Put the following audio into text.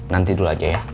nanti dulu aja ya